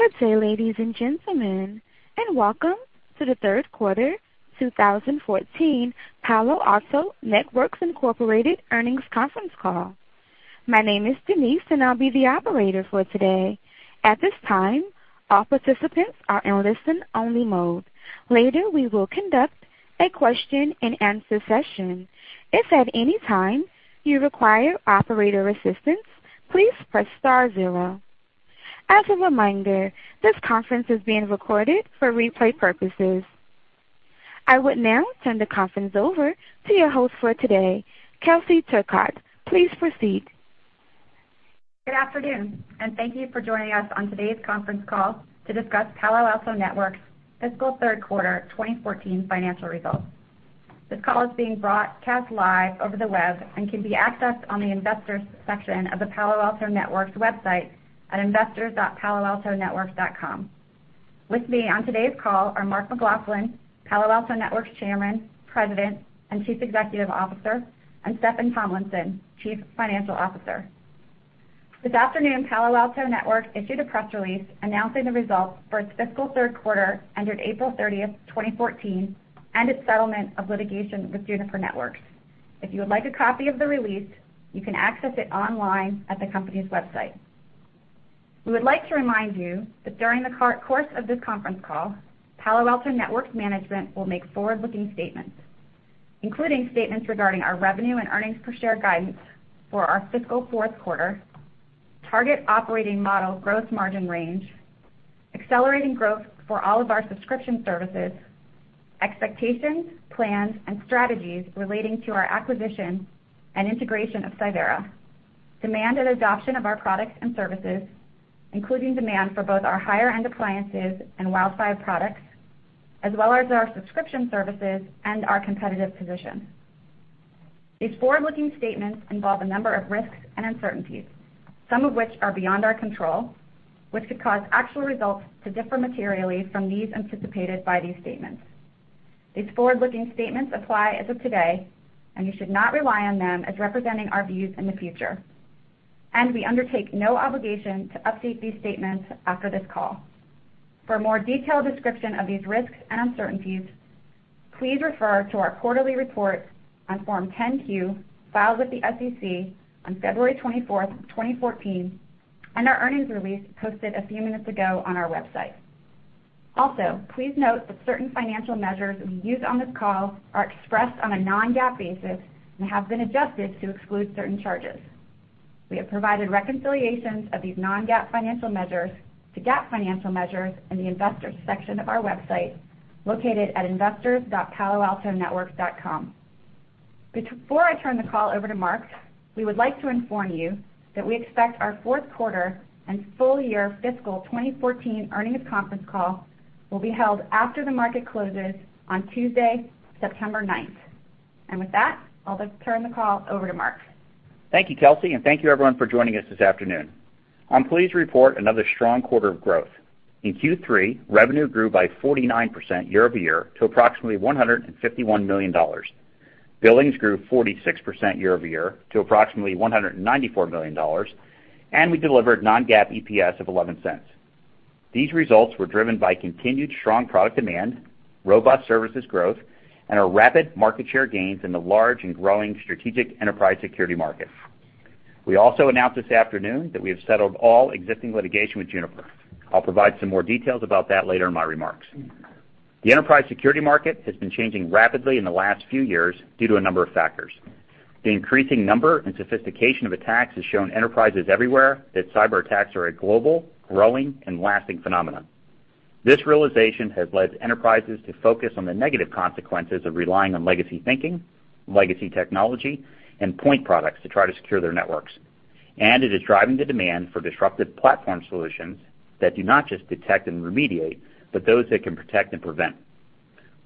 Good day, ladies and gentlemen, and welcome to the third quarter 2014 Palo Alto Networks, Inc. earnings conference call. My name is Denise, and I'll be the operator for today. At this time, all participants are in listen-only mode. Later, we will conduct a question-and-answer session. If at any time you require operator assistance, please press star zero. As a reminder, this conference is being recorded for replay purposes. I would now turn the conference over to your host for today, Kelsey Turcotte. Please proceed. Good afternoon, and thank you for joining us on today's conference call to discuss Palo Alto Networks' fiscal third quarter 2014 financial results. This call is being broadcast live over the web and can be accessed on the investors section of the Palo Alto Networks website at investors.paloaltonetworks.com. With me on today's call are Mark McLaughlin, Palo Alto Networks chairman, president, and chief executive officer, and Steffan Tomlinson, chief financial officer. This afternoon, Palo Alto Networks issued a press release announcing the results for its fiscal third quarter ended April 30th, 2014, and its settlement of litigation with Juniper Networks. If you would like a copy of the release, you can access it online at the company's website. We would like to remind you that during the course of this conference call, Palo Alto Networks management will make forward-looking statements, including statements regarding our revenue and earnings per share guidance for our fiscal fourth quarter, target operating model gross margin range, accelerating growth for all of our subscription services, expectations, plans, and strategies relating to our acquisition and integration of Cyvera, demand and adoption of our products and services, including demand for both our higher-end appliances and WildFire products, as well as our subscription services and our competitive position. These forward-looking statements involve a number of risks and uncertainties, some of which are beyond our control, which could cause actual results to differ materially from these anticipated by these statements. These forward-looking statements apply as of today, and you should not rely on them as representing our views in the future. We undertake no obligation to update these statements after this call. For a more detailed description of these risks and uncertainties, please refer to our quarterly report on Form 10-Q filed with the SEC on February 24th, 2014, and our earnings release posted a few minutes ago on our website. Also, please note that certain financial measures we use on this call are expressed on a non-GAAP basis and have been adjusted to exclude certain charges. We have provided reconciliations of these non-GAAP financial measures to GAAP financial measures in the investors section of our website, located at investors.paloaltonetworks.com. Before I turn the call over to Mark, we would like to inform you that we expect our fourth quarter and full year fiscal 2014 earnings conference call will be held after the market closes on Tuesday, September 9th. With that, I'll turn the call over to Mark. Thank you, Kelsey, and thank you, everyone, for joining us this afternoon. I'm pleased to report another strong quarter of growth. In Q3, revenue grew by 49% year-over-year to approximately $151 million. Billings grew 46% year-over-year to approximately $194 million, and we delivered non-GAAP EPS of $0.11. These results were driven by continued strong product demand, robust services growth, and our rapid market share gains in the large and growing strategic enterprise security market. We also announced this afternoon that we have settled all existing litigation with Juniper Networks. I'll provide some more details about that later in my remarks. The enterprise security market has been changing rapidly in the last few years due to a number of factors. The increasing number and sophistication of attacks has shown enterprises everywhere that cyberattacks are a global, growing, and lasting phenomenon. This realization has led enterprises to focus on the negative consequences of relying on legacy thinking, legacy technology, and point products to try to secure their networks. It is driving the demand for disruptive platform solutions that do not just detect and remediate, but those that can protect and prevent.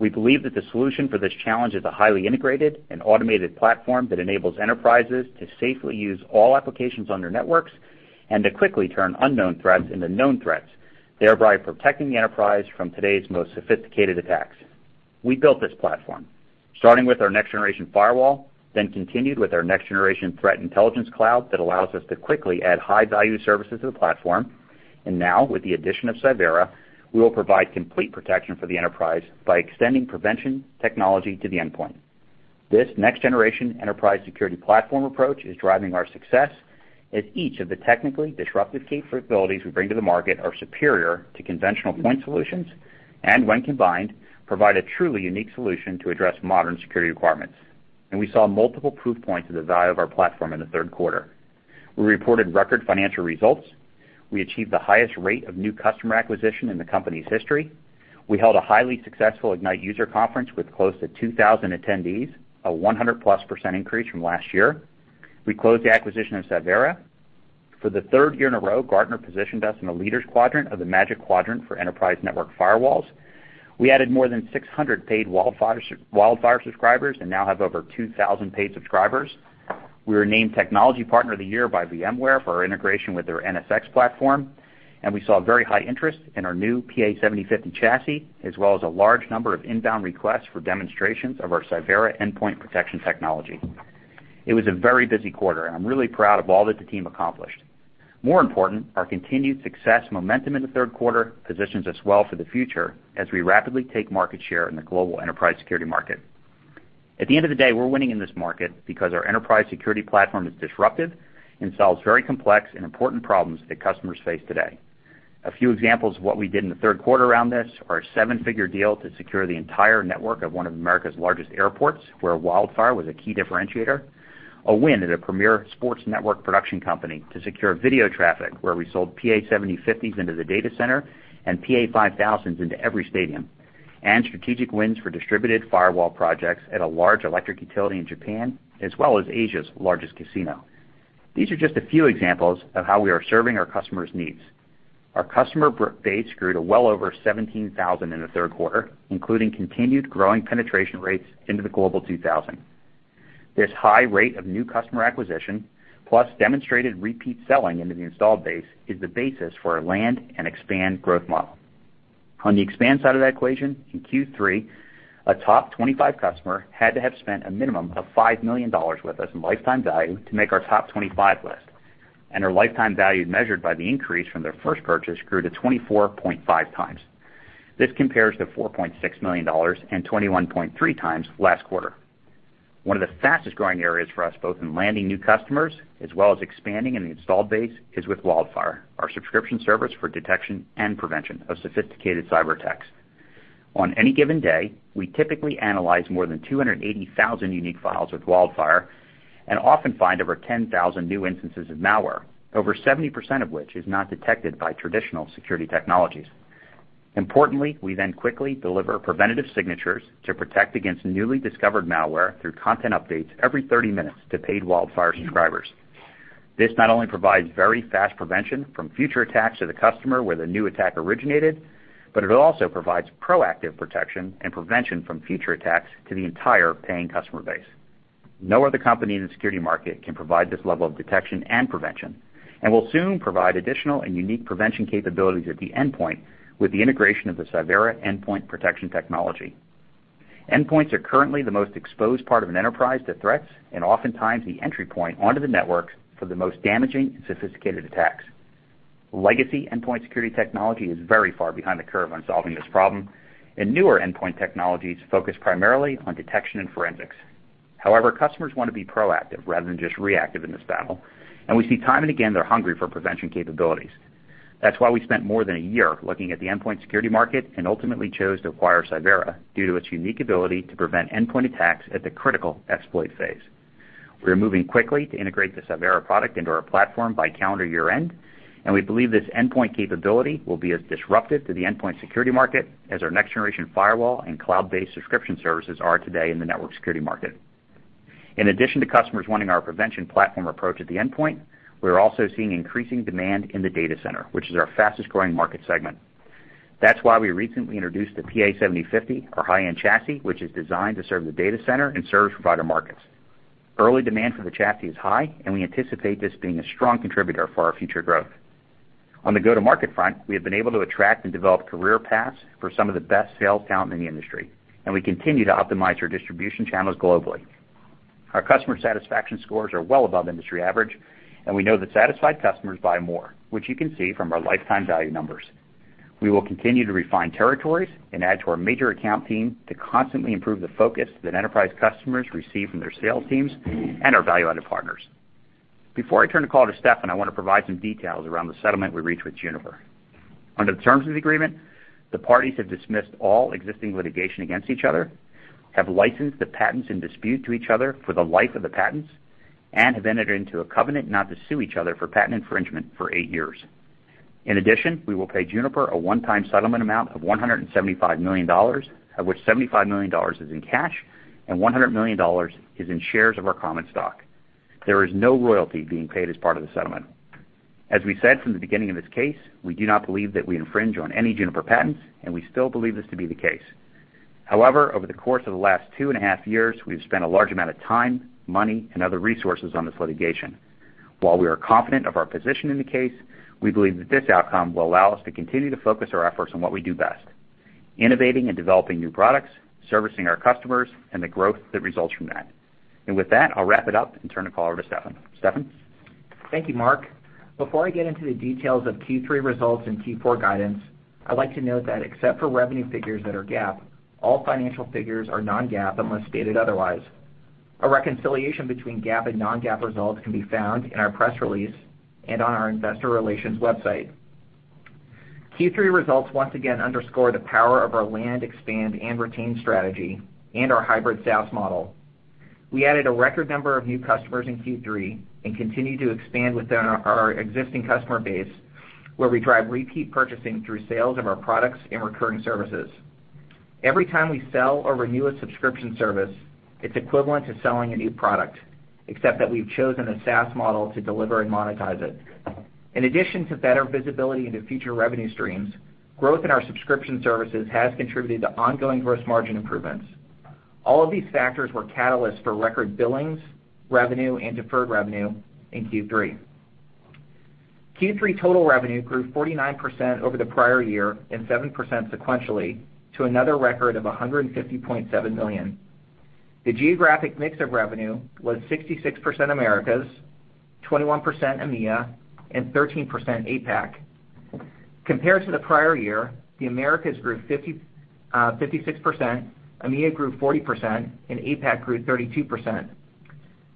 We believe that the solution for this challenge is a highly integrated and automated platform that enables enterprises to safely use all applications on their networks and to quickly turn unknown threats into known threats, thereby protecting the enterprise from today's most sophisticated attacks. We built this platform, starting with our next-generation firewall, then continued with our next-generation threat intelligence cloud that allows us to quickly add high-value services to the platform. Now, with the addition of Cyvera, we will provide complete protection for the enterprise by extending prevention technology to the endpoint. This next-generation enterprise security platform approach is driving our success, as each of the technically disruptive capabilities we bring to the market are superior to conventional point solutions and, when combined, provide a truly unique solution to address modern security requirements. We saw multiple proof points of the value of our platform in the third quarter. We reported record financial results. We achieved the highest rate of new customer acquisition in the company's history. We held a highly successful Ignite user conference with close to 2,000 attendees, a 100-plus% increase from last year. We closed the acquisition of Cyvera. For the third year in a row, Gartner positioned us in a leaders quadrant of the Magic Quadrant for Enterprise Network Firewalls. We added more than 600 paid WildFire subscribers and now have over 2,000 paid subscribers. We were named Technology Partner of the Year by VMware for our integration with their NSX platform, and we saw very high interest in our new PA-7050 chassis, as well as a large number of inbound requests for demonstrations of our Cyvera endpoint protection technology. It was a very busy quarter, and I'm really proud of all that the team accomplished. More important, our continued success momentum in the third quarter positions us well for the future as we rapidly take market share in the global enterprise security market. At the end of the day, we're winning in this market because our enterprise security platform is disruptive and solves very complex and important problems that customers face today. A few examples of what we did in the third quarter around this are a seven-figure deal to secure the entire network of one of America's largest airports, where WildFire was a key differentiator, a win at a premier sports network production company to secure video traffic, where we sold PA-7050s into the data center and PA-5000s into every stadium, and strategic wins for distributed firewall projects at a large electric utility in Japan, as well as Asia's largest casino. These are just a few examples of how we are serving our customers' needs. Our customer base grew to well over 17,000 in the third quarter, including continued growing penetration rates into the Global 2000. This high rate of new customer acquisition, plus demonstrated repeat selling into the installed base, is the basis for our land-and-expand growth model. On the expand side of that equation, in Q3, a top 25 customer had to have spent a minimum of $5 million with us in lifetime value to make our top 25 list. Our lifetime value, measured by the increase from their first purchase, grew to 24.5 times. This compares to $4.6 million and 21.3 times last quarter. One of the fastest-growing areas for us, both in landing new customers as well as expanding in the installed base, is with WildFire, our subscription service for detection and prevention of sophisticated cyber attacks. On any given day, we typically analyze more than 280,000 unique files with WildFire and often find over 10,000 new instances of malware, over 70% of which is not detected by traditional security technologies. Importantly, we then quickly deliver preventative signatures to protect against newly discovered malware through content updates every 30 minutes to paid WildFire subscribers. This not only provides very fast prevention from future attacks to the customer where the new attack originated, but it also provides proactive protection and prevention from future attacks to the entire paying customer base. No other company in the security market can provide this level of detection and prevention, and we will soon provide additional and unique prevention capabilities at the endpoint with the integration of the Cyvera endpoint protection technology. Endpoints are currently the most exposed part of an enterprise to threats and oftentimes the entry point onto the network for the most damaging and sophisticated attacks. Legacy endpoint security technology is very far behind the curve on solving this problem, and newer endpoint technologies focus primarily on detection and forensics. However, customers want to be proactive rather than just reactive in this battle, and we see time and again they are hungry for prevention capabilities. That is why we spent more than a year looking at the endpoint security market and ultimately chose to acquire Cyvera due to its unique ability to prevent endpoint attacks at the critical exploit phase. We are moving quickly to integrate the Cyvera product into our platform by calendar year-end, and we believe this endpoint capability will be as disruptive to the endpoint security market as our next-generation firewall and cloud-based subscription services are today in the network security market. In addition to customers wanting our prevention platform approach at the endpoint, we are also seeing increasing demand in the data center, which is our fastest-growing market segment. That is why we recently introduced the PA-7050, our high-end chassis, which is designed to serve the data center and service provider markets. Early demand for the chassis is high, and we anticipate this being a strong contributor for our future growth. On the go-to-market front, we have been able to attract and develop career paths for some of the best sales talent in the industry. We continue to optimize our distribution channels globally. Our customer satisfaction scores are well above industry average. We know that satisfied customers buy more, which you can see from our lifetime value numbers. We will continue to refine territories and add to our major account team to constantly improve the focus that enterprise customers receive from their sales teams and our value-added partners. Before I turn the call to Steffan, I want to provide some details around the settlement we reached with Juniper. Under the terms of the agreement, the parties have dismissed all existing litigation against each other, have licensed the patents in dispute to each other for the life of the patents, and have entered into a covenant not to sue each other for patent infringement for eight years. In addition, we will pay Juniper a one-time settlement amount of $175 million, of which $75 million is in cash and $100 million is in shares of our common stock. There is no royalty being paid as part of the settlement. As we said from the beginning of this case, we do not believe that we infringe on any Juniper patents. We still believe this to be the case. However, over the course of the last two and a half years, we've spent a large amount of time, money, and other resources on this litigation. While we are confident of our position in the case, we believe that this outcome will allow us to continue to focus our efforts on what we do best, innovating and developing new products, servicing our customers, and the growth that results from that. With that, I'll wrap it up and turn the call over to Steffan. Steffan? Thank you, Mark. Before I get into the details of Q3 results and Q4 guidance, I'd like to note that except for revenue figures that are GAAP, all financial figures are non-GAAP unless stated otherwise. A reconciliation between GAAP and non-GAAP results can be found in our press release and on our investor relations website. Q3 results once again underscore the power of our land, expand, and retain strategy and our hybrid SaaS model. We added a record number of new customers in Q3. We continue to expand within our existing customer base, where we drive repeat purchasing through sales of our products and recurring services. Every time we sell or renew a subscription service, it's equivalent to selling a new product, except that we've chosen a SaaS model to deliver and monetize it. In addition to better visibility into future revenue streams, growth in our subscription services has contributed to ongoing gross margin improvements. All of these factors were catalysts for record billings, revenue, and deferred revenue in Q3. Q3 total revenue grew 49% over the prior year and 7% sequentially to another record of $150.7 million. The geographic mix of revenue was 66% Americas, 21% EMEA, and 13% APAC. Compared to the prior year, the Americas grew 56%, EMEA grew 40%, and APAC grew 32%.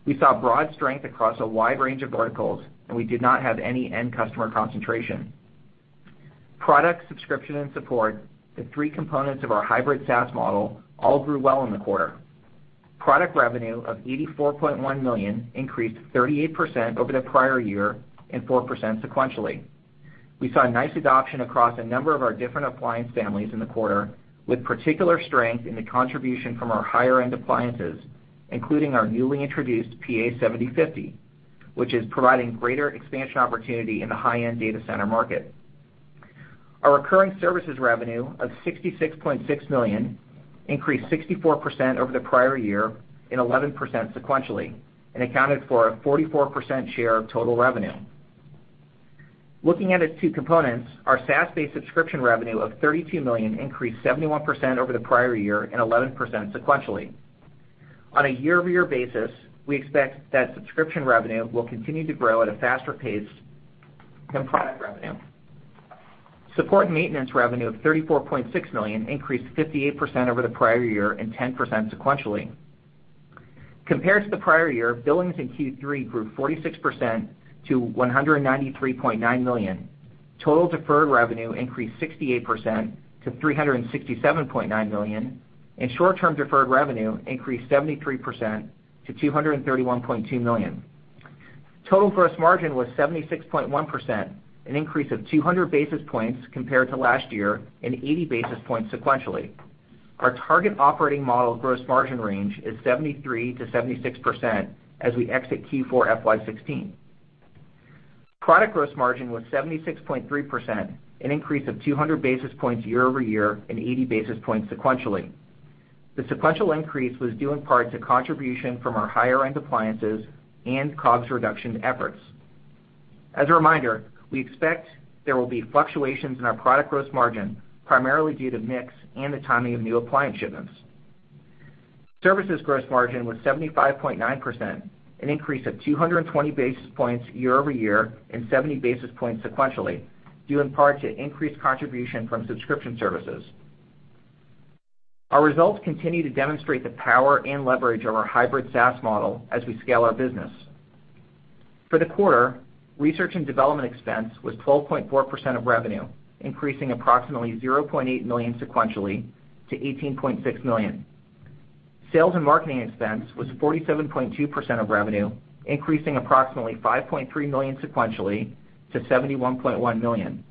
We saw broad strength across a wide range of verticals, and we did not have any end customer concentration. Product subscription and support, the three components of our hybrid SaaS model, all grew well in the quarter. Product revenue of $84.1 million increased 38% over the prior year and 4% sequentially. We saw nice adoption across a number of our different appliance families in the quarter, with particular strength in the contribution from our higher-end appliances, including our newly introduced PA-7050, which is providing greater expansion opportunity in the high-end data center market. Our recurring services revenue of $66.6 million increased 64% over the prior year and 11% sequentially, and accounted for a 44% share of total revenue. Looking at its two components, our SaaS-based subscription revenue of $32 million increased 71% over the prior year and 11% sequentially. On a year-over-year basis, we expect that subscription revenue will continue to grow at a faster pace than product revenue. Support and maintenance revenue of $34.6 million increased 58% over the prior year and 10% sequentially. Compared to the prior year, billings in Q3 grew 46% to $193.9 million. Total deferred revenue increased 68% to $367.9 million, and short-term deferred revenue increased 73% to $231.2 million. Total gross margin was 76.1%, an increase of 200 basis points compared to last year and 80 basis points sequentially. Our target operating model gross margin range is 73%-76% as we exit Q4 FY 2016. Product gross margin was 76.3%, an increase of 200 basis points year-over-year and 80 basis points sequentially. The sequential increase was due in part to contribution from our higher-end appliances and COGS reduction efforts. As a reminder, we expect there will be fluctuations in our product gross margin, primarily due to mix and the timing of new appliance shipments. Services gross margin was 75.9%, an increase of 220 basis points year-over-year and 70 basis points sequentially, due in part to increased contribution from subscription services. Our results continue to demonstrate the power and leverage of our hybrid SaaS model as we scale our business. For the quarter, research and development expense was 12.4% of revenue, increasing approximately $0.8 million sequentially to $18.6 million. Sales and marketing expense was 47.2% of revenue, increasing approximately $5.3 million sequentially to $71.1 million.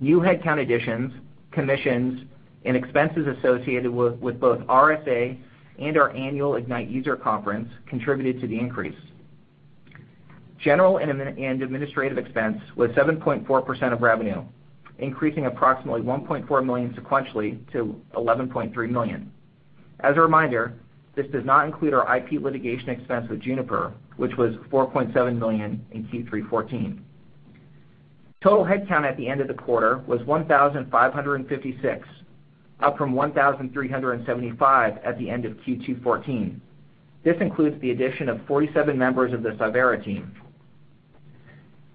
New headcount additions, commissions, and expenses associated with both RSA and our annual Ignite user conference contributed to the increase. General and administrative expense was 7.4% of revenue, increasing approximately $1.4 million sequentially to $11.3 million. As a reminder, this does not include our IP litigation expense with Juniper, which was $4.7 million in Q3 2014. Total headcount at the end of the quarter was 1,556, up from 1,375 at the end of Q2 2014. This includes the addition of 47 members of the Cyvera team.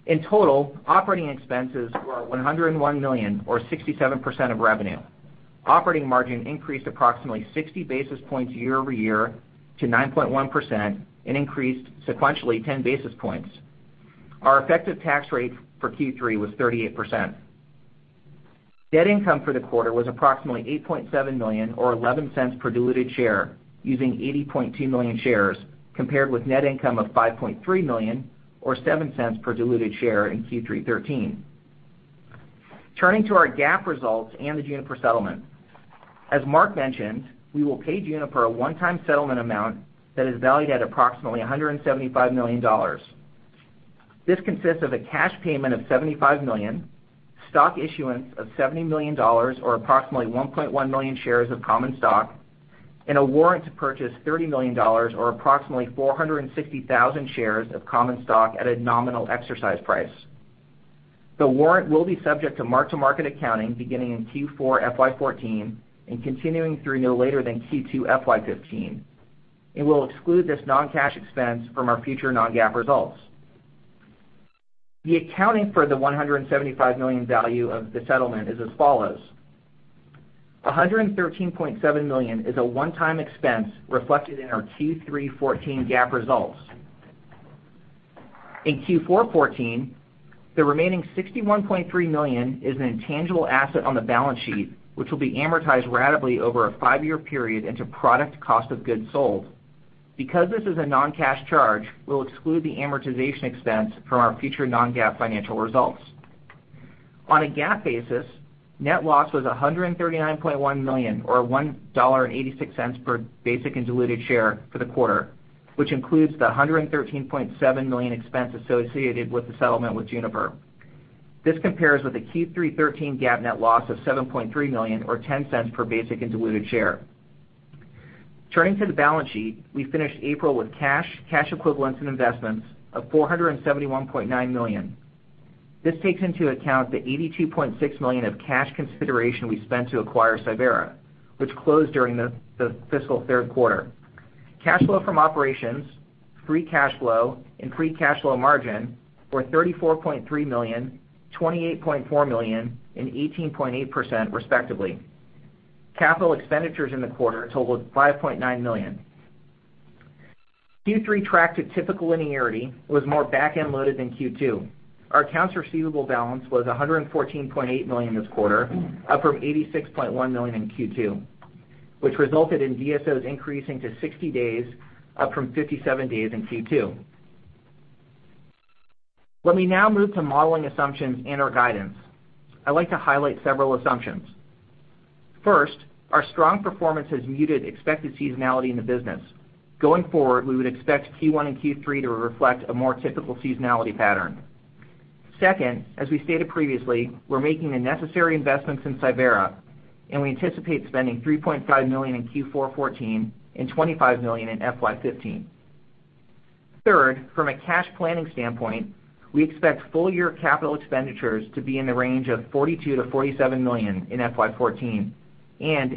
In total, operating expenses were $101 million, or 67% of revenue. Operating margin increased approximately 60 basis points year-over-year to 9.1% and increased sequentially 10 basis points. Our effective tax rate for Q3 was 38%. Net income for the quarter was approximately $8.7 million or $0.11 per diluted share, using 80.2 million shares, compared with net income of $5.3 million or $0.07 per diluted share in Q3 2013. Turning to our GAAP results and the Juniper settlement. As Mark mentioned, we will pay Juniper a one-time settlement amount that is valued at approximately $175 million. This consists of a cash payment of $75 million, stock issuance of $70 million or approximately 1.1 million shares of common stock, and a warrant to purchase $30 million or approximately 460,000 shares of common stock at a nominal exercise price. The warrant will be subject to mark-to-market accounting beginning in Q4 FY 2014 and continuing through no later than Q2 FY 2015. We'll exclude this non-cash expense from our future non-GAAP results. The accounting for the $175 million value of the settlement is as follows. $113.7 million is a one-time expense reflected in our Q3 2014 GAAP results. In Q4 2014, the remaining $61.3 million is an intangible asset on the balance sheet, which will be amortized ratably over a five-year period into product cost of goods sold. Because this is a non-cash charge, we'll exclude the amortization expense from our future non-GAAP financial results. On a GAAP basis, net loss was $139.1 million, or $1.86 per basic and diluted share for the quarter, which includes the $113.7 million expense associated with the settlement with Juniper. This compares with the Q3 2013 GAAP net loss of $7.3 million or $0.10 per basic and diluted share. Turning to the balance sheet, we finished April with cash equivalents, and investments of $471.9 million. This takes into account the $82.6 million of cash consideration we spent to acquire Cyvera, which closed during the fiscal third quarter. Cash flow from operations, free cash flow, and free cash flow margin were $34.3 million, $28.4 million, and 18.8%, respectively. Capital expenditures in the quarter totaled $5.9 million. Q3 tracked to typical linearity, was more back-end loaded than Q2. Our accounts receivable balance was $114.8 million this quarter, up from $86.1 million in Q2, which resulted in DSOs increasing to 60 days, up from 57 days in Q2. Let me now move to modeling assumptions and our guidance. I'd like to highlight several assumptions. First, our strong performance has muted expected seasonality in the business. Going forward, we would expect Q1 and Q3 to reflect a more typical seasonality pattern. As we stated previously, we're making the necessary investments in Cyvera, and we anticipate spending $3.5 million in Q4 2014 and $25 million in FY 2015. Third, from a cash planning standpoint, we expect full-year capital expenditures to be in the range of $42 million-$47 million in FY 2014.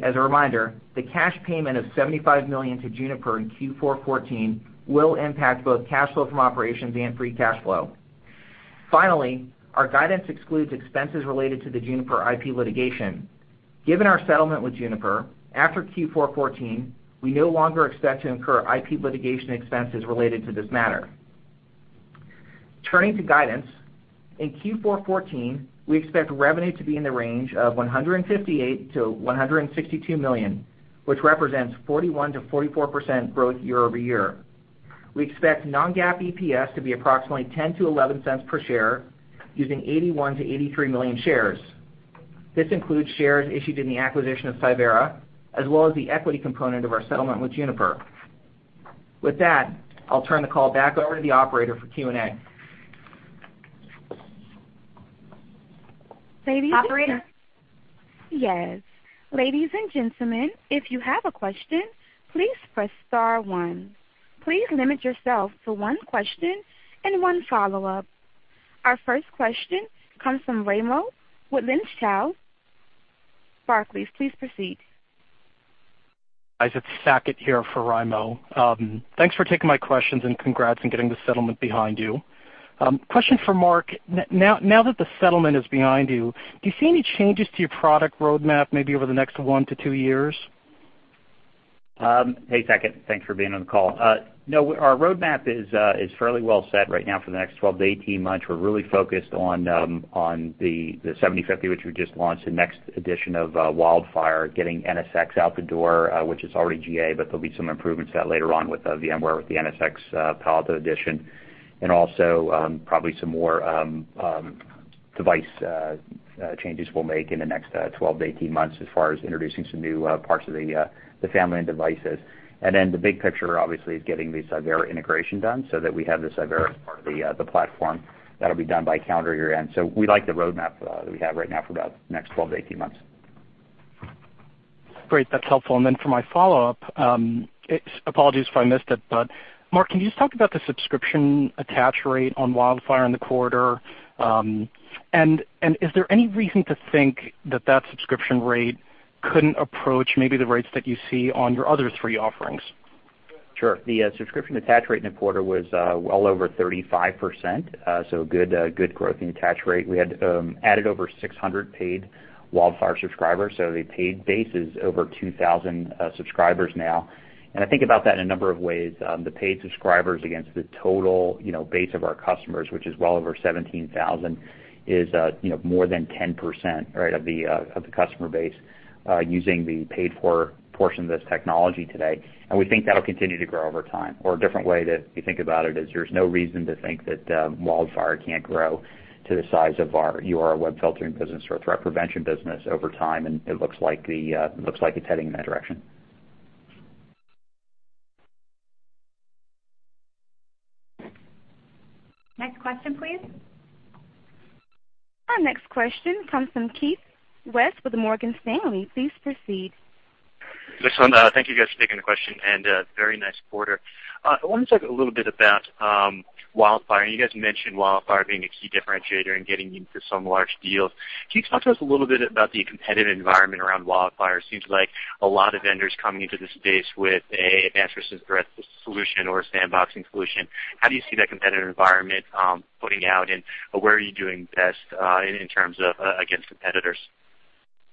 As a reminder, the cash payment of $75 million to Juniper in Q4 2014 will impact both cash flow from operations and free cash flow. Finally, our guidance excludes expenses related to the Juniper IP litigation. Given our settlement with Juniper, after Q4 2014, we no longer expect to incur IP litigation expenses related to this matter. Turning to guidance, in Q4 2014, we expect revenue to be in the range of $158 million-$162 million, which represents 41%-44% growth year-over-year. We expect non-GAAP EPS to be approximately $0.10-$0.11 per share, using 81 million-83 million shares. This includes shares issued in the acquisition of Cyvera, as well as the equity component of our settlement with Juniper. With that, I'll turn the call back over to the operator for Q&A. Operator? Yes. Ladies and gentlemen, if you have a question, please press *1. Please limit yourself to one question and one follow-up. Our first question comes from Raimo Lenschow. Barclays, please proceed. Hi, it's Saket here for Raimo. Thanks for taking my questions and congrats on getting the settlement behind you. Question for Mark, now that the settlement is behind you, do you see any changes to your product roadmap, maybe over the next one to two years? Hey, Saket. Thanks for being on the call. No, our roadmap is fairly well set right now for the next 12-18 months. We're really focused on the 7050, which we just launched, the next edition of WildFire, getting NSX out the door, which is already GA, but there'll be some improvements to that later on with VMware, with the VM-Series for VMware NSX. Also, probably some more device changes we'll make in the next 12-18 months as far as introducing some new parts of the family of devices. The big picture, obviously, is getting the Cyvera integration done so that we have the Cyvera as part of the platform. That'll be done by calendar year-end. We like the roadmap that we have right now for about the next 12-18 months. Great. That's helpful. Then for my follow-up, apologies if I missed it, Mark, can you just talk about the subscription attach rate on WildFire in the quarter? Is there any reason to think that that subscription rate couldn't approach maybe the rates that you see on your other three offerings? Sure. The subscription attach rate in the quarter was well over 35%, so good growth in attach rate. We had added over 600 paid WildFire subscribers, so the paid base is over 2,000 subscribers now. I think about that in a number of ways. The paid subscribers against the total base of our customers, which is well over 17,000, is more than 10% of the customer base using the paid for portion of this technology today. We think that'll continue to grow over time. A different way to think about it is there's no reason to think that WildFire can't grow to the size of our URL Filtering web filtering business or Threat Prevention business over time, it looks like it's heading in that direction. Next question, please. Our next question comes from Keith Weiss with Morgan Stanley. Please proceed. Listen, thank you guys for taking the question, and very nice quarter. I want to talk a little bit about WildFire, and you guys mentioned WildFire being a key differentiator in getting into some large deals. Can you talk to us a little bit about the competitive environment around WildFire? It seems like a lot of vendors coming into this space with an Advanced Persistent Threat solution or a sandboxing solution. How do you see that competitive environment putting out, and where are you doing best in terms of against competitors?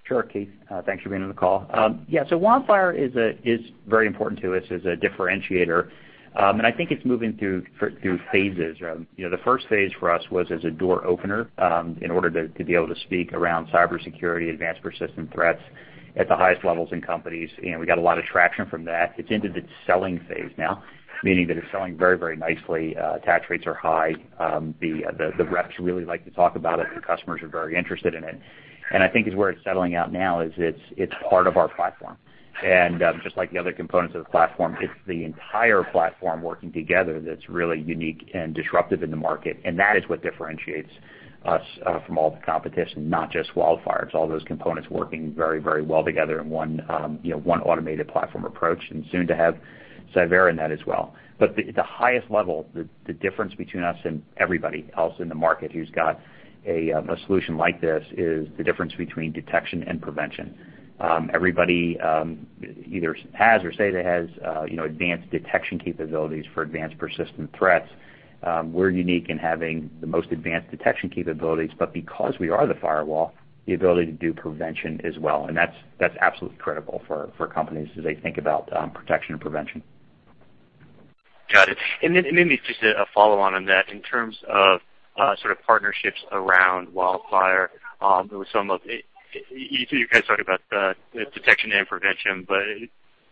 Sure, Keith. Thanks for being on the call. Yeah, WildFire is very important to us as a differentiator. I think it's moving through phases. The first phase for us was as a door opener, in order to be able to speak around cybersecurity Advanced Persistent Threats at the highest levels in companies. We got a lot of traction from that. It's into the selling phase now, meaning that it's selling very nicely. Attach rates are high. The reps really like to talk about it, and customers are very interested in it. I think where it's settling out now is it's part of our platform. Just like the other components of the platform, it's the entire platform working together that's really unique and disruptive in the market, and that is what differentiates us from all the competition, not just WildFire. It's all those components working very well together in one automated platform approach, and soon to have Cyvera in that as well. At the highest level, the difference between us and everybody else in the market who's got a solution like this is the difference between detection and prevention. Everybody either has or say they have advanced detection capabilities for Advanced Persistent Threats. We're unique in having the most advanced detection capabilities, but because we are the firewall, the ability to do prevention as well, and that's absolutely critical for companies as they think about protection and prevention. Got it. Maybe just a follow-on on that, in terms of partnerships around WildFire, you guys talked about the detection and prevention, but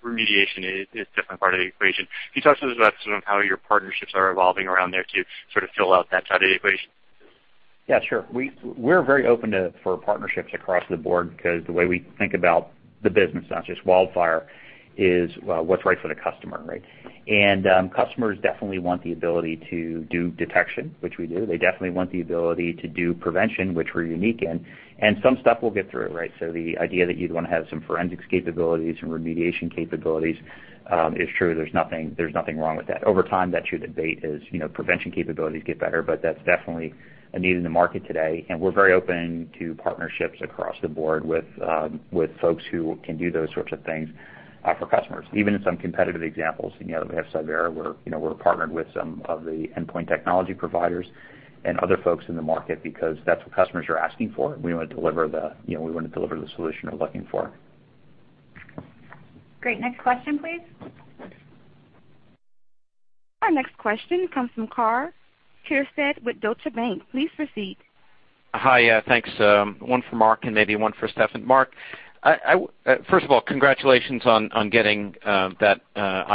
remediation is definitely part of the equation. Can you talk to us about how your partnerships are evolving around there to fill out that side of the equation? Yeah, sure. We're very open for partnerships across the board because the way we think about the business, not just WildFire, is what's right for the customer, right? Customers definitely want the ability to do detection, which we do. They definitely want the ability to do prevention, which we're unique in, and some stuff we'll get through, right? The idea that you'd want to have some forensics capabilities and remediation capabilities is true. There's nothing wrong with that. Over time, that should abate as prevention capabilities get better, but that's definitely a need in the market today, and we're very open to partnerships across the board with folks who can do those sorts of things for customers. Even in some competitive examples, we have Cyvera, we're partnered with some of the endpoint technology providers and other folks in the market because that's what customers are asking for. We want to deliver the solution they're looking for. Great. Next question, please. Our next question comes from Karl Keirstead with Deutsche Bank. Please proceed. Hi. Thanks. One for Mark and maybe one for Steffan. Mark, first of all, congratulations on getting that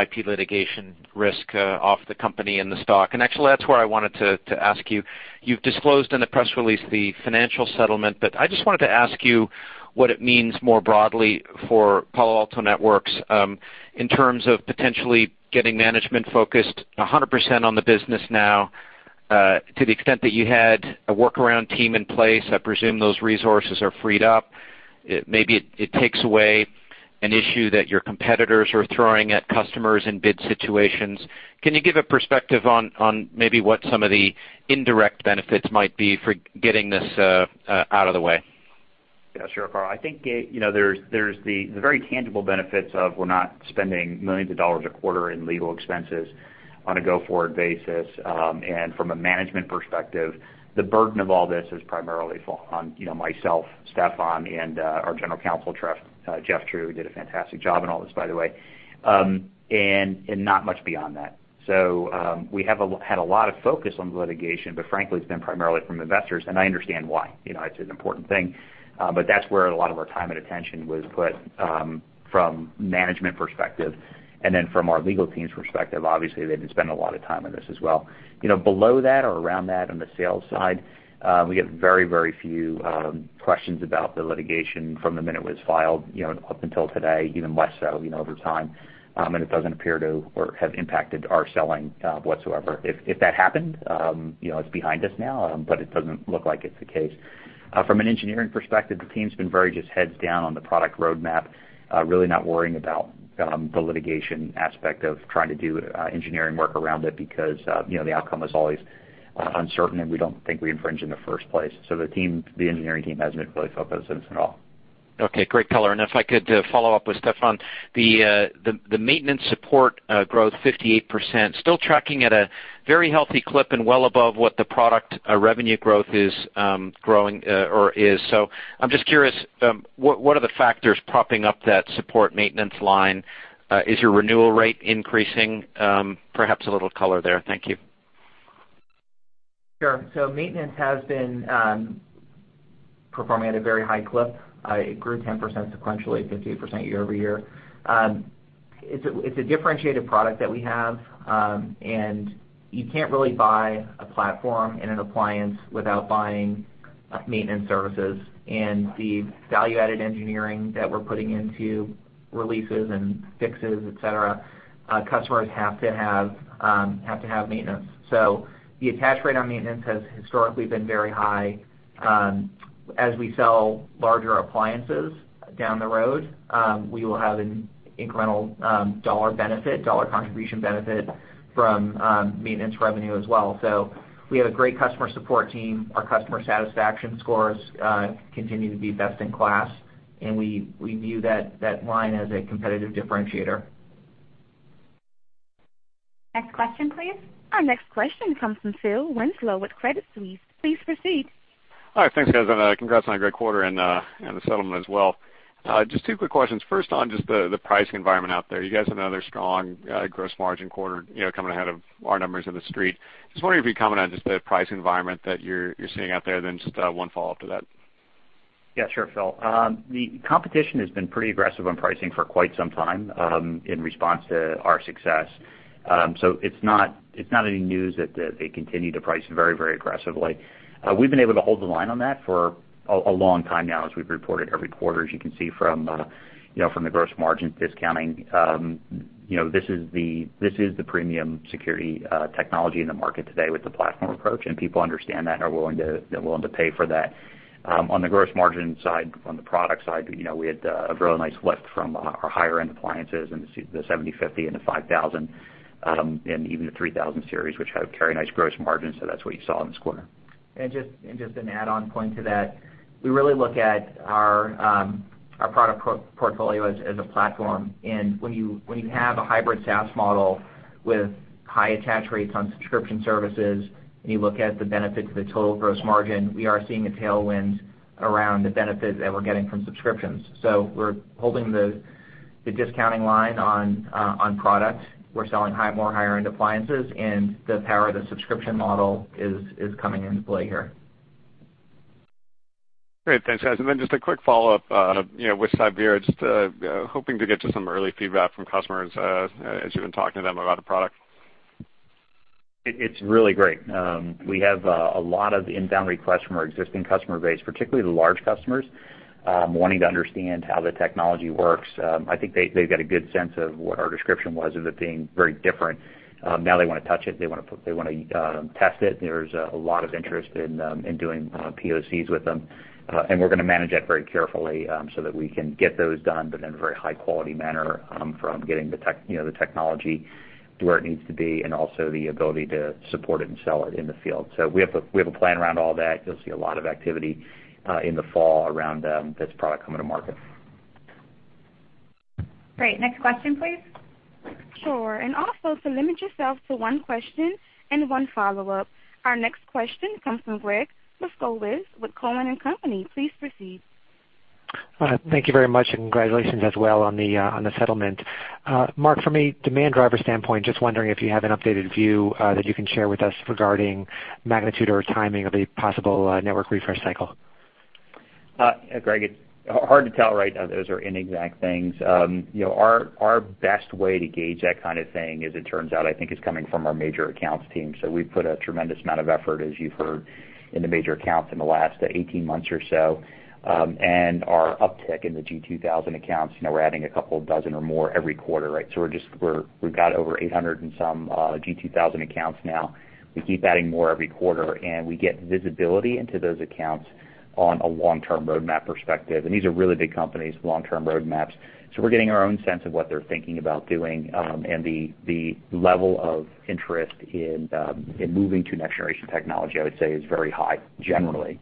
IP litigation risk off the company and the stock. Actually, that's where I wanted to ask you. You've disclosed in the press release the financial settlement, but I just wanted to ask you what it means more broadly for Palo Alto Networks, in terms of potentially getting management focused 100% on the business now, to the extent that you had a workaround team in place, I presume those resources are freed up. Maybe it takes away an issue that your competitors are throwing at customers in bid situations. Can you give a perspective on maybe what some of the indirect benefits might be for getting this out of the way? Yeah, sure, Karl. I think there's the very tangible benefits of we're not spending millions of dollars a quarter in legal expenses on a go-forward basis. From a management perspective, the burden of all this is primarily on myself, Steffan, and our General Counsel, Jeff True, who did a fantastic job in all this, by the way, and not much beyond that. We had a lot of focus on the litigation, but frankly, it's been primarily from investors, and I understand why. It's an important thing. That's where a lot of our time and attention was put from management perspective. From our legal team's perspective, obviously, they've been spending a lot of time on this as well. Below that or around that on the sales side, we get very, very few questions about the litigation from the minute it was filed up until today, even less so over time, and it doesn't appear to have impacted our selling whatsoever. If that happened, it's behind us now, but it doesn't look like it's the case. From an engineering perspective, the team's been very just heads down on the product roadmap, really not worrying about the litigation aspect of trying to do engineering work around it because the outcome is always uncertain, and we don't think we infringe in the first place. The engineering team hasn't really focused on this at all. Okay. Great color. If I could follow up with Steffan, the maintenance support growth 58%, still tracking at a very healthy clip and well above what the product revenue growth is growing or is. I'm just curious, what are the factors propping up that support maintenance line? Is your renewal rate increasing? Perhaps a little color there. Thank you. Sure. Maintenance has been performing at a very high clip. It grew 10% sequentially, 58% year-over-year. It's a differentiated product that we have. You can't really buy a platform and an appliance without buying maintenance services and the value-added engineering that we're putting into releases and fixes, et cetera. Customers have to have maintenance. The attach rate on maintenance has historically been very high. As we sell larger appliances down the road, we will have an incremental dollar benefit, dollar contribution benefit from maintenance revenue as well. We have a great customer support team. Our customer satisfaction scores continue to be best in class, and we view that line as a competitive differentiator. Next question, please. Our next question comes from Phil Winslow with Credit Suisse. Please proceed. Hi. Thanks, guys. Congrats on a great quarter and the settlement as well. Just two quick questions. First on just the pricing environment out there. You guys had another strong gross margin quarter, coming ahead of our numbers in the street. Just wondering if you can comment on just the pricing environment that you're seeing out there. Just one follow-up to that. Yeah, sure, Phil. The competition has been pretty aggressive on pricing for quite some time in response to our success. It's not any news that they continue to price very, very aggressively. We've been able to hold the line on that for a long time now, as we've reported every quarter, as you can see from the gross margin discounting. This is the premium security technology in the market today with the platform approach, and people understand that and are willing to pay for that. On the gross margin side, on the product side, we had a really nice lift from our higher-end appliances and the 7050 and the 5000, and even the 3000 series, which carry nice gross margins. That's what you saw in this quarter. Just an add-on point to that, we really look at our product portfolio as a platform, and when you have a hybrid SaaS model with high attach rates on subscription services, and you look at the benefits of the total gross margin, we are seeing a tailwind Around the benefits that we're getting from subscriptions. We're holding the discounting line on product. We're selling more higher-end appliances. The power of the subscription model is coming into play here. Great. Thanks, guys. Just a quick follow-up with Cyvera, just hoping to get to some early feedback from customers as you've been talking to them about a product. It's really great. We have a lot of inbound requests from our existing customer base, particularly the large customers, wanting to understand how the technology works. I think they've got a good sense of what our description was of it being very different. Now they want to touch it, they want to test it. There's a lot of interest in doing POCs with them. We're going to manage that very carefully so that we can get those done, but in a very high-quality manner from getting the technology to where it needs to be and also the ability to support it and sell it in the field. We have a plan around all that. You'll see a lot of activity in the fall around this product coming to market. Great. Next question, please. Sure. Also, to limit yourself to one question and one follow-up. Our next question comes from Gregg Moskowitz with Cowen and Company. Please proceed. Thank you very much. Congratulations as well on the settlement. Mark, from a demand driver standpoint, just wondering if you have an updated view that you can share with us regarding magnitude or timing of a possible network refresh cycle. Gregg, it is hard to tell right now. Those are inexact things. Our best way to gauge that kind of thing is, it turns out, I think, is coming from our major accounts team. We have put a tremendous amount of effort, as you have heard, into major accounts in the last 18 months or so. Our uptick in the G2000 accounts, we are adding a couple of dozen or more every quarter, right? We have got over 800 and some G2000 accounts now. We keep adding more every quarter, and we get visibility into those accounts on a long-term roadmap perspective. These are really big companies, long-term roadmaps. We are getting our own sense of what they are thinking about doing, and the level of interest in moving to next-generation technology, I would say, is very high generally.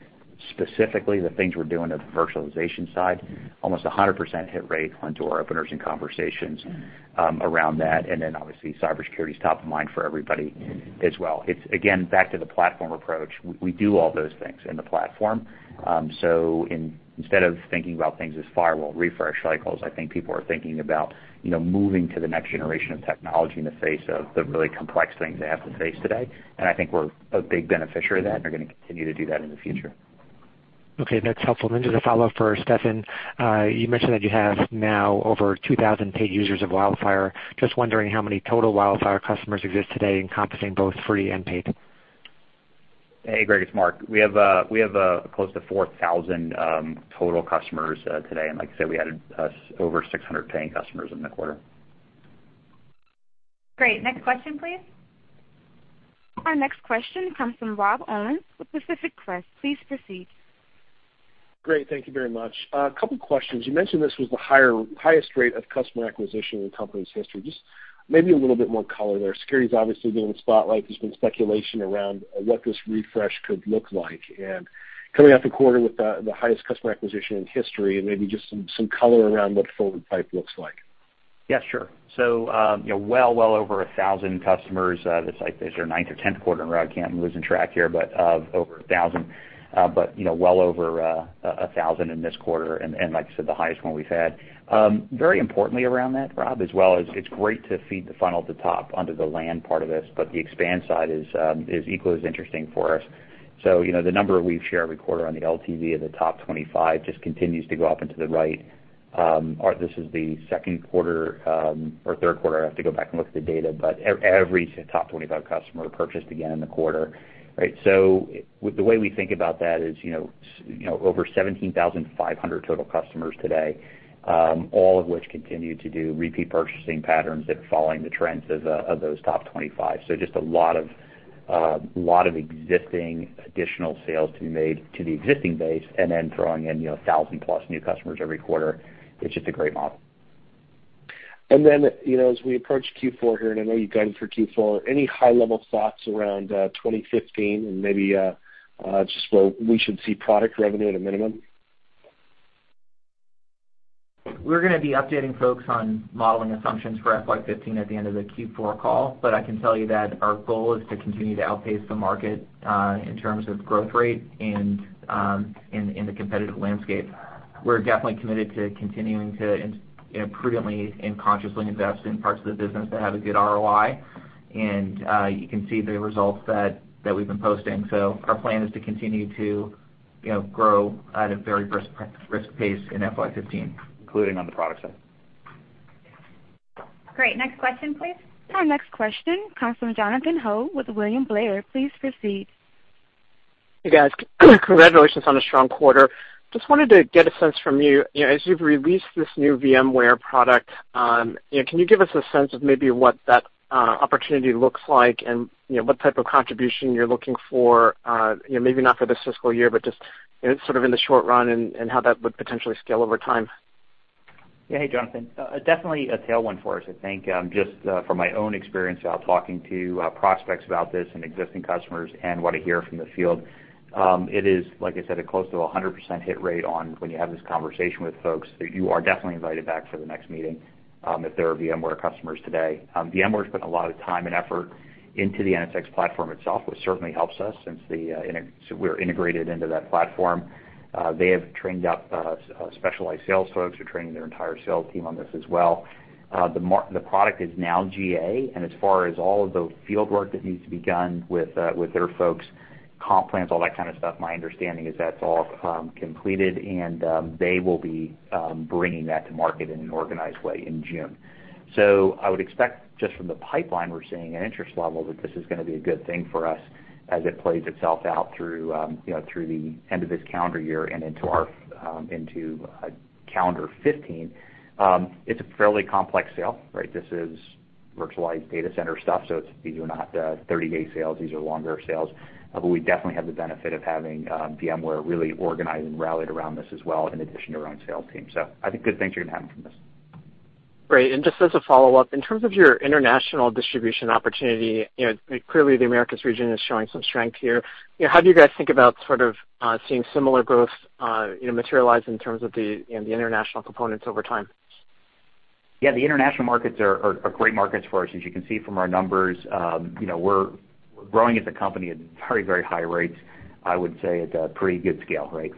Specifically, the things we are doing at the virtualization side, almost 100% hit rate onto our openers and conversations around that. Obviously, cybersecurity is top of mind for everybody as well. It is, again, back to the platform approach. We do all those things in the platform. Instead of thinking about things as firewall refresh cycles, I think people are thinking about moving to the next generation of technology in the face of the really complex things they have to face today. I think we are a big beneficiary of that and are going to continue to do that in the future. Okay, that is helpful. Just a follow-up for Steffan. You mentioned that you have now over 2,000 paid users of WildFire. Just wondering how many total WildFire customers exist today encompassing both free and paid. Hey, Gregg, it is Mark. We have close to 4,000 total customers today, like I said, we added over 600 paying customers in the quarter. Great. Next question, please. Our next question comes from Rob Owens with Pacific Crest. Please proceed. Great. Thank you very much. A couple questions. You mentioned this was the highest rate of customer acquisition in the company's history. Just maybe a little bit more color there. Security's obviously been in the spotlight. There's been speculation around what this refresh could look like. Coming off the quarter with the highest customer acquisition in history, and maybe just some color around what the forward pipe looks like. Yeah, sure. Well over 1,000 customers. This is our ninth or tenth quarter in a row. I'm losing track here, but over 1,000. Well over 1,000 in this quarter, and like I said, the highest one we've had. Very importantly around that, Rob, as well, it's great to feed the funnel at the top under the land part of this, but the expand side is equally as interesting for us. The number that we share every quarter on the LTV of the top 25 just continues to go up and to the right. This is the second quarter or third quarter, I'd have to go back and look at the data, but every top 25 customer purchased again in the quarter. The way we think about that is, over 17,500 total customers today, all of which continue to do repeat purchasing patterns that are following the trends of those top 25. Just a lot of existing additional sales to be made to the existing base and then throwing in 1,000-plus new customers every quarter. It's just a great model. As we approach Q4 here, I know you've guided for Q4, any high-level thoughts around 2015 and maybe just where we should see product revenue at a minimum? We're going to be updating folks on modeling assumptions for FY 2015 at the end of the Q4 call. I can tell you that our goal is to continue to outpace the market in terms of growth rate and in the competitive landscape. We're definitely committed to continuing to prudently and consciously invest in parts of the business that have a good ROI, and you can see the results that we've been posting. Our plan is to continue to grow at a very brisk pace in FY 2015. Including on the product side. Great. Next question, please. Our next question comes from Jonathan Ho with William Blair. Please proceed. Hey, guys. Congratulations on a strong quarter. Just wanted to get a sense from you, as you've released this new VMware product, can you give us a sense of maybe what that opportunity looks like and what type of contribution you're looking for, maybe not for this fiscal year, but just sort of in the short run and how that would potentially scale over time? Yeah. Hey, Jonathan. Definitely a tailwind for us. I think just from my own experience out talking to prospects about this and existing customers and what I hear from the field, it is, like I said, a close to 100% hit rate on when you have this conversation with folks, that you are definitely invited back for the next meeting, if they are VMware customers today. VMware's put a lot of time and effort into the NSX platform itself, which certainly helps us since we are integrated into that platform. They have trained up specialized sales folks. They're training their entire sales team on this as well. The product is now GA. As far as all of the field work that needs to be done with their folks, comp plans, all that kind of stuff, my understanding is that's all completed, and they will be bringing that to market in an organized way in June. I would expect just from the pipeline we're seeing and interest level, that this is going to be a good thing for us as it plays itself out through the end of this calendar year and into calendar 2015. It's a fairly complex sale, right? This is virtualized data center stuff, so these are not 30-day sales. These are longer sales. We definitely have the benefit of having VMware really organized and rallied around this as well in addition to our own sales team. I think good things are going to happen from this. Great. Just as a follow-up, in terms of your international distribution opportunity, clearly the Americas region is showing some strength here. How do you guys think about seeing similar growth materialize in terms of the international components over time? The international markets are great markets for us. As you can see from our numbers, we're growing as a company at very high rates, I would say, at a pretty good scale, right?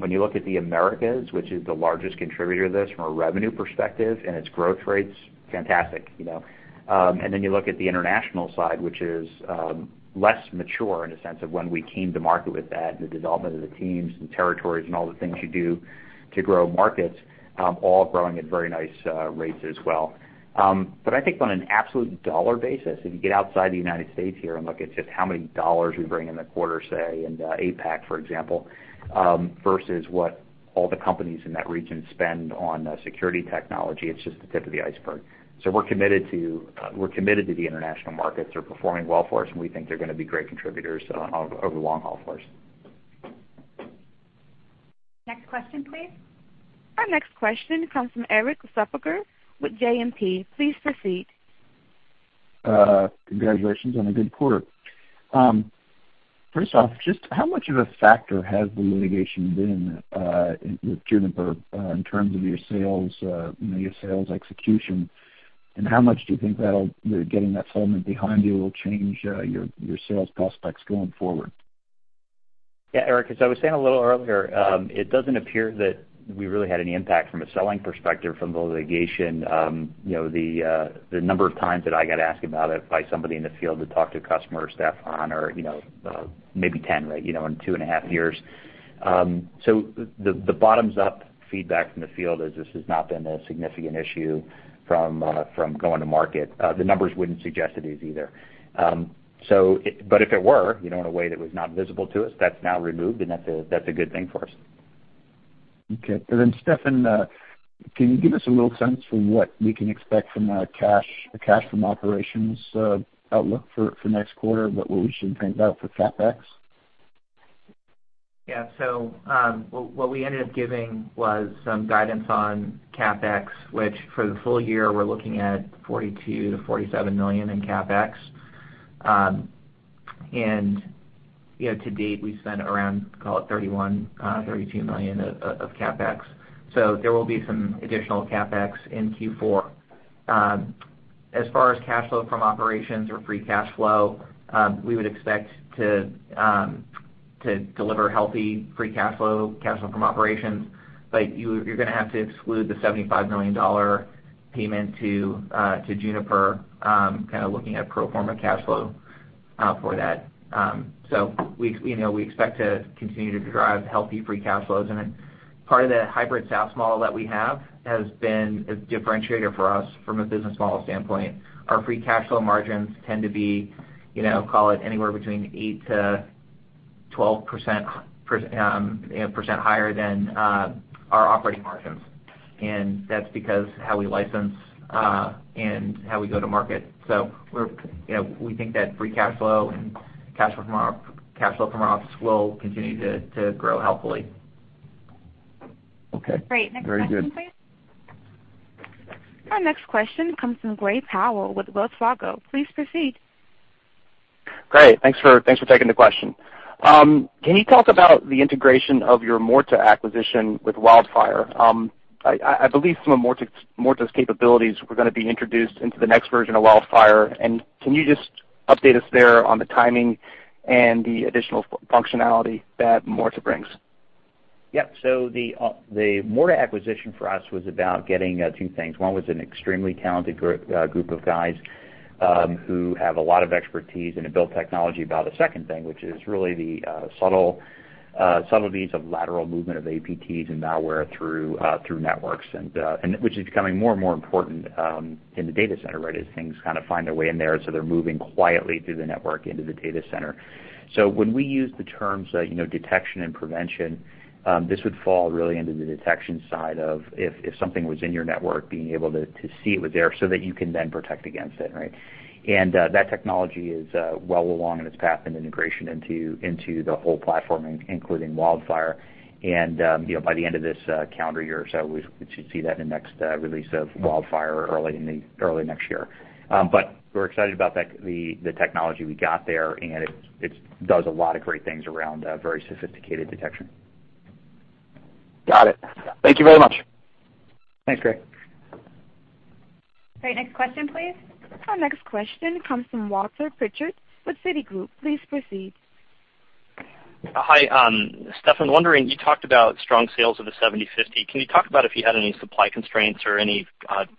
When you look at the Americas, which is the largest contributor to this from a revenue perspective and its growth rates, fantastic. Then you look at the international side, which is less mature in the sense of when we came to market with that and the development of the teams and territories and all the things you do to grow markets, all growing at very nice rates as well. I think on an absolute dollar basis, if you get outside the U.S. here and look at just how many dollars we bring in a quarter, say, in APAC, for example, versus what all the companies in that region spend on security technology, it's just the tip of the iceberg. We're committed to the international markets. They're performing well for us, and we think they're going to be great contributors over the long haul for us. Next question, please. Our next question comes from Erik Suppiger with JMP. Please proceed. Congratulations on a good quarter. First off, just how much of a factor has the litigation been with Juniper in terms of your sales execution, and how much do you think getting that settlement behind you will change your sales prospects going forward? Yeah, Erik, as I was saying a little earlier, it doesn't appear that we really had any impact from a selling perspective from the litigation. The number of times that I got asked about it by somebody in the field that talked to a customer or Steffan are maybe 10 in two and a half years. The bottoms-up feedback from the field is this has not been a significant issue from going to market. The numbers wouldn't suggest it is either. But if it were, in a way that was not visible to us, that's now removed, and that's a good thing for us. Okay. Steffan, can you give us a little sense for what we can expect from a cash from operations outlook for next quarter, what we should think about for CapEx? Yeah. What we ended up giving was some guidance on CapEx, which for the full year, we're looking at $42 million-$47 million in CapEx. To date, we've spent around, call it $31 million-$32 million of CapEx. There will be some additional CapEx in Q4. As far as cash flow from operations or free cash flow, we would expect to deliver healthy free cash flow, cash flow from operations. You're going to have to exclude the $75 million payment to Juniper, kind of looking at pro forma cash flow for that. We expect to continue to drive healthy free cash flows. Part of the hybrid SaaS model that we have has been a differentiator for us from a business model standpoint. Our free cash flow margins tend to be, call it anywhere between 8%-12% higher than our operating margins. That's because how we license, and how we go to market. We think that free cash flow and cash flow from ops will continue to grow healthily. Okay. Very good. Great. Next question, please. Our next question comes from Gray Powell with Wells Fargo. Please proceed. Gray, thanks for taking the question. Can you talk about the integration of your Morta acquisition with WildFire? I believe some of Morta's capabilities were going to be introduced into the next version of WildFire. Can you just update us there on the timing and the additional functionality that Morta brings? Yeah. The Morta acquisition for us was about getting two things. One was an extremely talented group of guys who have a lot of expertise and have built technology about a second thing, which is really the subtleties of lateral movement of APTs and malware through networks, which is becoming more and more important in the data center, right, as things kind of find their way in there. They're moving quietly through the network into the data center. When we use the terms detection and prevention, this would fall really into the detection side of if something was in your network, being able to see it was there so that you can then protect against it, right? That technology is well along in its path in integration into the whole platform, including WildFire. By the end of this calendar year or so, we should see that in the next release of WildFire or early next year. We're excited about the technology we got there, and it does a lot of great things around very sophisticated detection. Got it. Thank you very much. Thanks, Gray. All right, next question, please. Our next question comes from Walter Pritchard with Citigroup. Please proceed. Hi, Steffan. You talked about strong sales of the 7050. Can you talk about if you had any supply constraints or any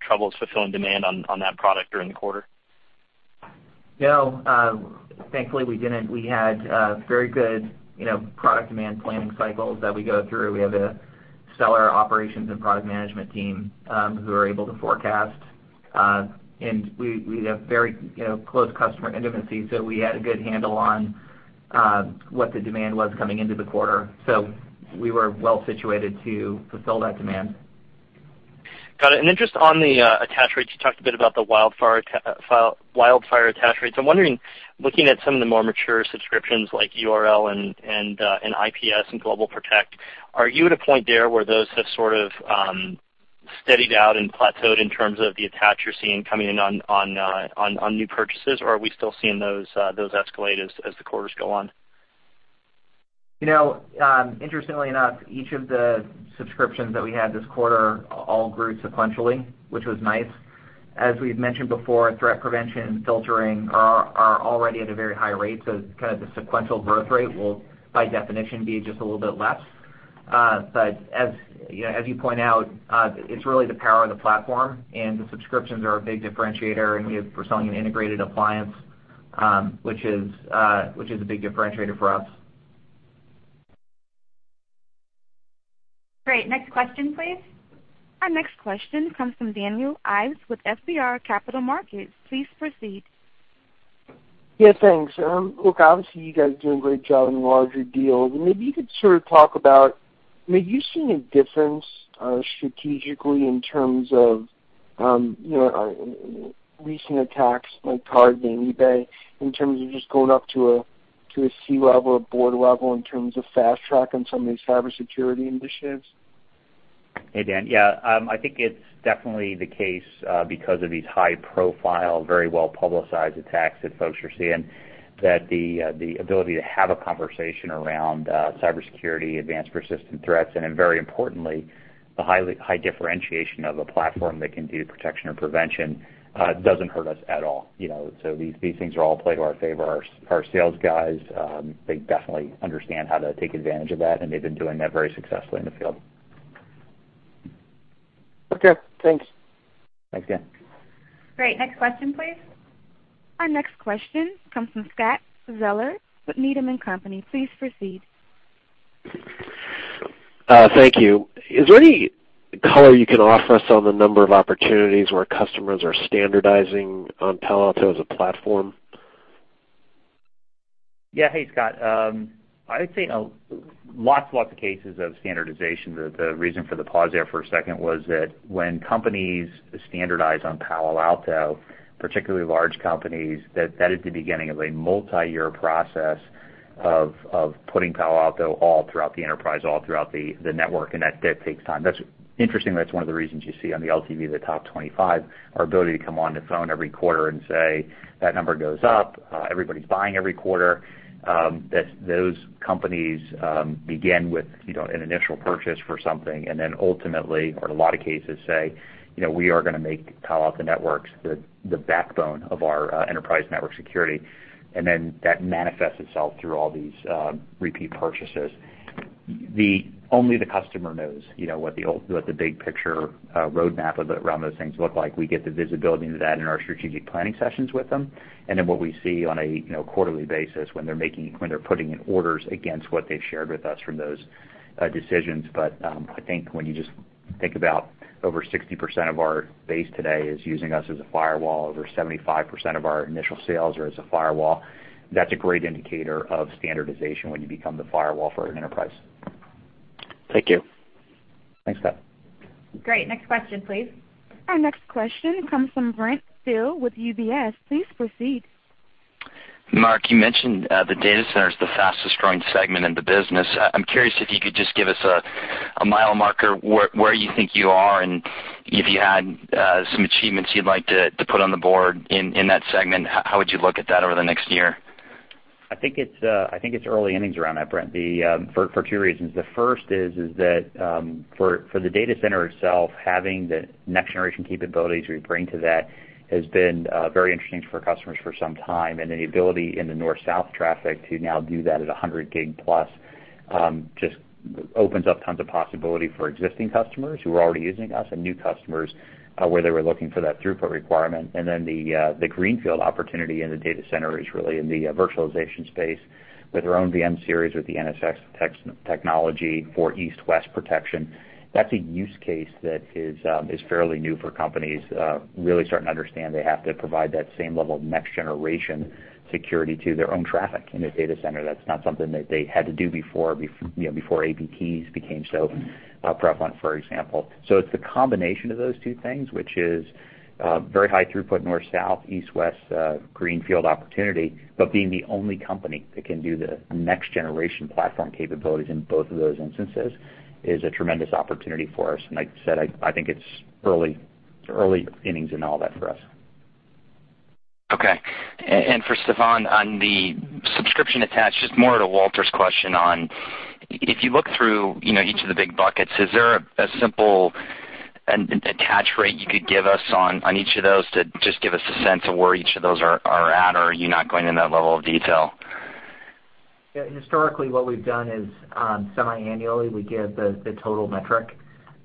troubles fulfilling demand on that product during the quarter? No, thankfully we didn't. We had very good product demand planning cycles that we go through. We have a stellar operations and product management team who are able to forecast. We have very close customer intimacy, so we had a good handle on what the demand was coming into the quarter. We were well-situated to fulfill that demand. Got it. Then just on the attach rates, you talked a bit about the WildFire attach rates. I'm wondering, looking at some of the more mature subscriptions like URL and IPS and GlobalProtect, are you at a point there where those have sort of steadied out and plateaued in terms of the attach you're seeing coming in on new purchases, or are we still seeing those escalate as the quarters go on? Interestingly enough, each of the subscriptions that we had this quarter all grew sequentially, which was nice. As we've mentioned before, threat prevention and filtering are already at a very high rate, so the sequential growth rate will, by definition, be just a little bit less. as you point out, it's really the power of the platform, and the subscriptions are a big differentiator, and we are selling an integrated appliance, which is a big differentiator for us. Great. Next question, please. Our next question comes from Daniel Ives with FBR Capital Markets. Please proceed. Yeah, thanks. Look, obviously you guys are doing a great job in larger deals. Maybe you could sort of talk about, have you seen a difference strategically in terms of recent attacks like Target and eBay, in terms of just going up to a C-level or board level in terms of fast track on some of these cybersecurity initiatives? Hey, Dan. Yeah. I think it's definitely the case because of these high-profile, very well-publicized attacks that folks are seeing, that the ability to have a conversation around cybersecurity, Advanced Persistent Threats, and then very importantly, the high differentiation of a platform that can do protection or prevention, doesn't hurt us at all. These things all play to our favor. Our sales guys definitely understand how to take advantage of that, and they've been doing that very successfully in the field. Okay, thanks. Thanks, Dan. Great. Next question, please. Our next question comes from Scott Zeller with Needham & Company. Please proceed. Thank you. Is there any color you can offer us on the number of opportunities where customers are standardizing on Palo Alto as a platform? Yeah. Hey, Scott. I would say lots and lots of cases of standardization. The reason for the pause there for a second was that when companies standardize on Palo Alto, particularly large companies, that is the beginning of a multi-year process of putting Palo Alto all throughout the enterprise, all throughout the network, and that takes time. That's interesting that's one of the reasons you see on the LTV, the top 25, our ability to come on the phone every quarter and say that number goes up. Everybody's buying every quarter. Those companies begin with an initial purchase for something, then ultimately, or in a lot of cases say, we are going to make Palo Alto Networks the backbone of our enterprise network security. That manifests itself through all these repeat purchases. Only the customer knows what the big picture roadmap around those things look like. We get the visibility into that in our strategic planning sessions with them, then what we see on a quarterly basis when they're putting in orders against what they've shared with us from those decisions. I think when you just think about over 60% of our base today is using us as a firewall, over 75% of our initial sales are as a firewall. That's a great indicator of standardization when you become the firewall for an enterprise. Thank you. Thanks, Scott. Great. Next question, please. Our next question comes from Brent Thill with UBS. Please proceed. Mark, you mentioned the data center's the fastest-growing segment in the business. I'm curious if you could just give us a mile marker where you think you are, and if you had some achievements you'd like to put on the board in that segment, how would you look at that over the next year? I think it's early innings around that, Brent, for two reasons. The first is that for the data center itself, having the next-generation capabilities we bring to that has been very interesting for customers for some time, and the ability in the north-south traffic to now do that at 100 gig plus, just opens up tons of possibility for existing customers who are already using us and new customers, where they were looking for that throughput requirement. The greenfield opportunity in the data center is really in the virtualization space with our own VM-Series, with the NSX technology for east-west protection. That's a use case that is fairly new for companies really starting to understand they have to provide that same level of next-generation security to their own traffic in a data center. That's not something that they had to do before APTs became so prevalent, for example. It's the combination of those two things, which is very high throughput north-south, east-west, greenfield opportunity, but being the only company that can do the next-generation platform capabilities in both of those instances is a tremendous opportunity for us. Like I said, I think it's early innings in all that for us. Okay. For Steffan, on the subscription attach, just more to Walter's question on, if you look through each of the big buckets, is there a simple attach rate you could give us on each of those to just give us a sense of where each of those are at, or are you not going into that level of detail? Historically, what we've done is, semi-annually, we give the total metric,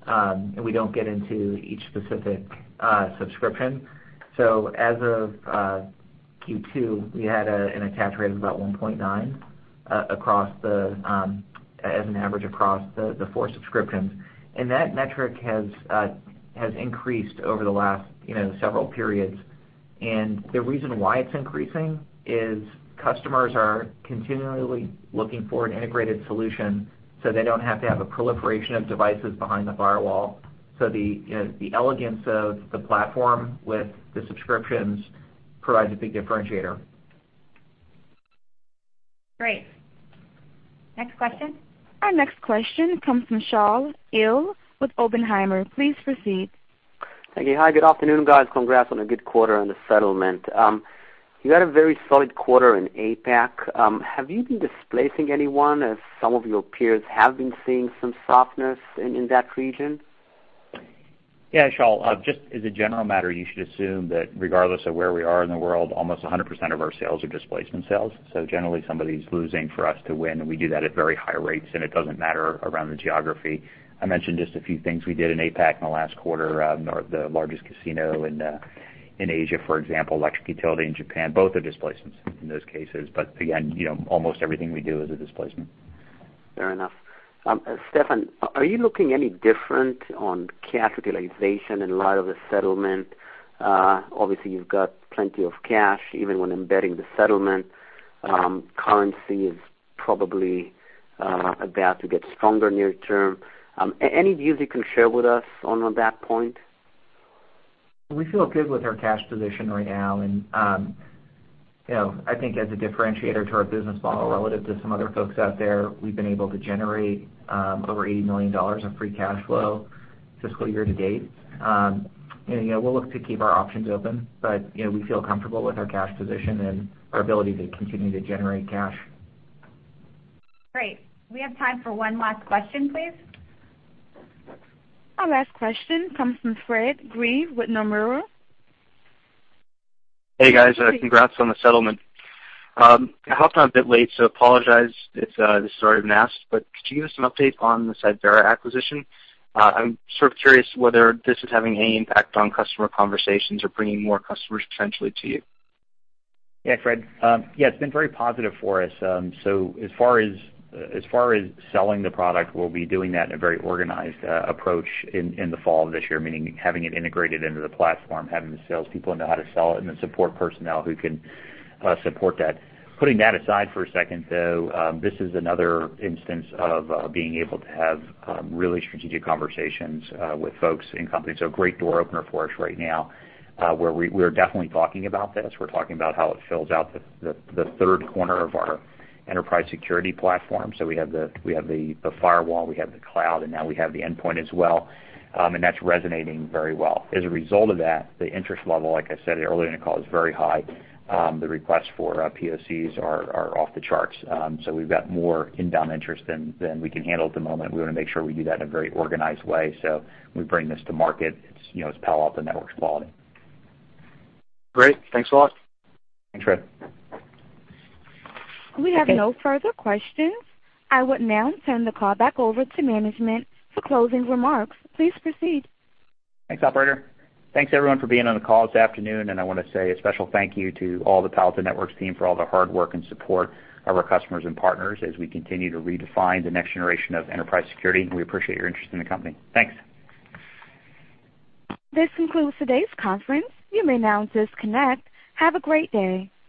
and we don't get into each specific subscription. As of Q2, we had an attach rate of about 1.9 as an average across the four subscriptions. That metric has increased over the last several periods. The reason why it's increasing is customers are continually looking for an integrated solution so they don't have to have a proliferation of devices behind the firewall. The elegance of the platform with the subscriptions provides a big differentiator. Great. Next question. Our next question comes from Shaul Eyal with Oppenheimer. Please proceed. Thank you. Hi, good afternoon, guys. Congrats on a good quarter on the settlement. You had a very solid quarter in APAC. Have you been displacing anyone as some of your peers have been seeing some softness in that region? Shaul, just as a general matter, you should assume that regardless of where we are in the world, almost 100% of our sales are displacement sales. Generally, somebody's losing for us to win, and we do that at very high rates, and it doesn't matter around the geography. I mentioned just a few things we did in APAC in the last quarter, the largest casino in Asia, for example, electric utility in Japan, both are displacements in those cases. Again, almost everything we do is a displacement. Fair enough. Steffan, are you looking any different on cash utilization in light of the settlement? Obviously, you've got plenty of cash even when embedding the settlement. Currency is probably about to get stronger near-term. Any views you can share with us on that point? We feel good with our cash position right now. I think as a differentiator to our business model, relative to some other folks out there, we've been able to generate over $80 million of free cash flow fiscal year to date. We'll look to keep our options open, we feel comfortable with our cash position and our ability to continue to generate cash. Great. We have time for one last question, please. Our last question comes from Fred Green with Nomura. Hey, guys. Congrats on the settlement. I hopped on a bit late, so apologize if this has already been asked, but could you give us an update on the Cyvera acquisition? I'm sort of curious whether this is having any impact on customer conversations or bringing more customers potentially to you. Yeah, Fred. Yeah, it's been very positive for us. As far as selling the product, we'll be doing that in a very organized approach in the fall of this year, meaning having it integrated into the platform, having the sales people know how to sell it, and the support personnel who can support that. Putting that aside for a second, though, this is another instance of being able to have really strategic conversations with folks in companies, a great door opener for us right now, where we're definitely talking about this. We're talking about how it fills out the third corner of our enterprise security platform. We have the firewall, we have the cloud, and now we have the endpoint as well, and that's resonating very well. As a result of that, the interest level, like I said earlier in the call, is very high. The request for POCs are off the charts. We've got more inbound interest than we can handle at the moment. We want to make sure we do that in a very organized way so when we bring this to market, it's Palo Alto Networks quality. Great. Thanks a lot. Thanks, Fred. We have no further questions. I would now turn the call back over to management for closing remarks. Please proceed. Thanks, operator. Thanks, everyone, for being on the call this afternoon, and I want to say a special thank you to all the Palo Alto Networks team for all the hard work and support of our customers and partners as we continue to redefine the next generation of enterprise security. We appreciate your interest in the company. Thanks. This concludes today's conference. You may now disconnect. Have a great day.